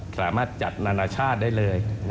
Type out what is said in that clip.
สามารถจัดนานาชาติได้เลย